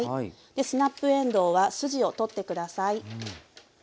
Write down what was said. スナップえんどうは筋を取って下さい。